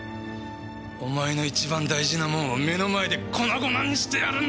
お前の一番大事なもんを目の前で粉々にしてやるんだよ！